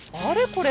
これ